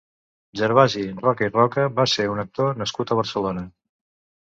Gervasi Roca i Roca va ser un actor nascut a Barcelona.